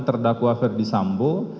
terdakwa ferdi sambo